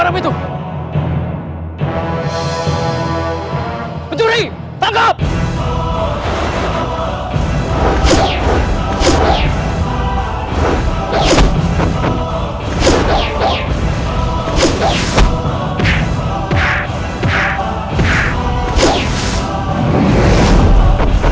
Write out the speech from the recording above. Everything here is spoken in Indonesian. sama perang lambang itu